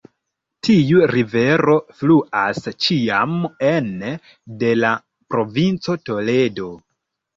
Tiu rivero fluas ĉiam ene de la provinco Toledo.